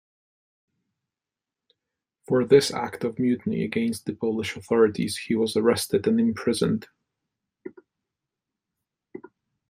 For this act of mutiny against the Polish authorities, he was arrested and imprisoned.